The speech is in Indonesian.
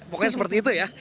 pokoknya seperti itu ya